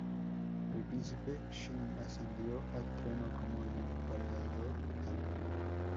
El Príncipe Xin ascendió al trono como el Emperador Ai.